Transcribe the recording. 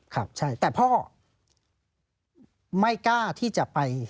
ครับใช่แต่พ่อไม่กล้าที่จะไป